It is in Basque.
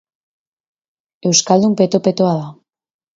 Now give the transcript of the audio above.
Euskaldun peto-petoa da.